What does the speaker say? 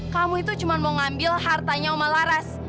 kamu itu cuma mau ngambil hartanya omalaras